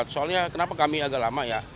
soalnya kenapa kami agak lama ya